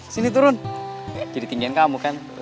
sini turun jadi tinggian kamu kan